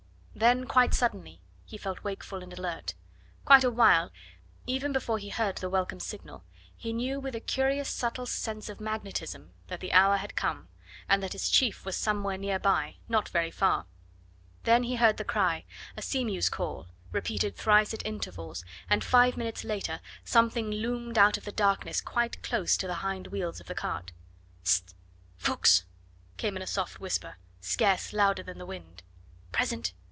Then, quite suddenly, he felt wakeful and alert; quite a while even before he heard the welcome signal he knew, with a curious, subtle sense of magnetism, that the hour had come, and that his chief was somewhere near by, not very far. Then he heard the cry a seamew's call repeated thrice at intervals, and five minutes later something loomed out of the darkness quite close to the hind wheels of the cart. "Hist! Ffoulkes!" came in a soft whisper, scarce louder than the wind. "Present!"